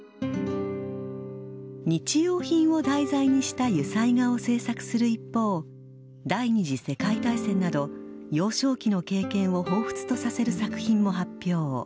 日用品を題材にした油彩画を制作する一方、第２次世界大戦など、幼少期の経験をほうふつとさせる作品も発表。